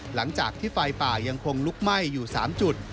หลังจากที่ไฟป่ายังคงลุกไหม้อยู่๓จุด